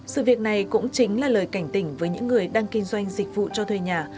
sự việc này cũng chính là lời cảnh tỉnh với những người đang kinh doanh dịch vụ cho thuê nhà